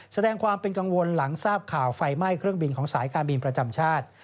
แสดงความเป็นกังวลหลังทราบข่าวไฟไหม้เครื่องบินของสายการบินประจำชาติ